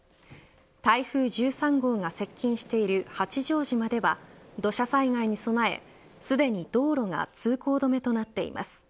台風１３号が接近している八丈島では土砂災害に備えすでに道路が通行止めとなっています。